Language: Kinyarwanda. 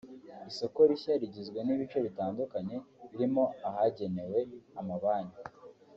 Isoko rishya rigizwe n’ibice bitandukanye birimo ahagenewe amabanki